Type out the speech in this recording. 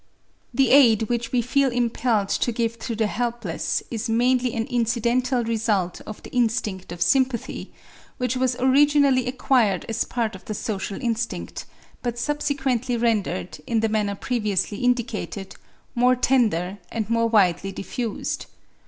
The aid which we feel impelled to give to the helpless is mainly an incidental result of the instinct of sympathy, which was originally acquired as part of the social instincts, but subsequently rendered, in the manner previously indicated, more tender and more widely diffused.